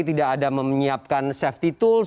tidak ada menyiapkan safety tools